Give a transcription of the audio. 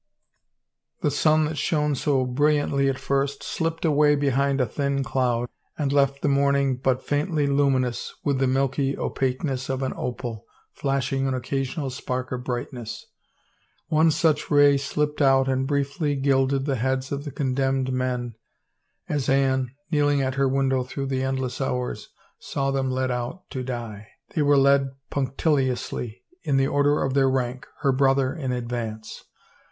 The sun, that shone so brilliantly at first, slipped away behind a thin cloud, and left the morning but faintly luminous, with the milky opaqueness of an opal, flashing an occasional spark of brightness. One such ray slipped out and briefly gilded the heads of the condemned men as Anne, kneeling at her window through the endless hours, saw them led out to die. They were led punctiliously in the order of their rank, her brother in advance.